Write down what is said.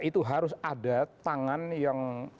itu harus ada tangan yang